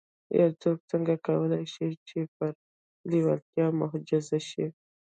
يو څوک څنګه کولای شي چې پر لېوالتیا مجهز شي.